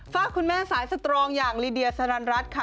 ฝากคุณแม่สายสตรองอย่างลีเดียสรรรัสค่ะ